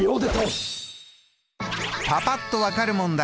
パパっと分かる問題